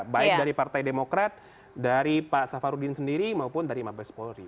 baik dari partai demokrat dari pak safarudin sendiri maupun dari mabes polri